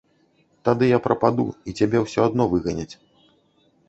Тады я прападу, і цябе ўсё адно выганяць.